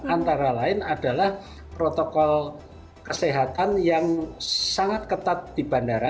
antara lain adalah protokol kesehatan yang sangat ketat di bandara